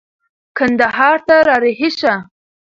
کندهار ته را رهي شه.